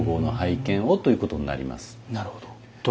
なるほど。